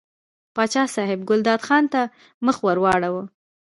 پاچا صاحب ګلداد خان ته مخ ور واړاوه.